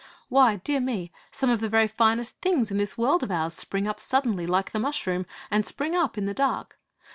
Why, dear me, some of the very finest things in this world of ours spring up suddenly, like the mushroom, and spring up in the dark!